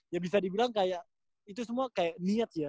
ya bisa dibilang kayak itu semua kayak niat ya